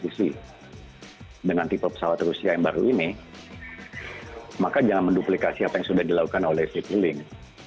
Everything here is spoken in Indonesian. jadi dengan tipe pesawat rusia yang baru ini maka jangan menduplikasi apa yang sudah dilakukan oleh citylink